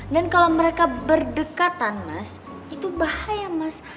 dan kalau mereka berdekatan mas itu bahaya mas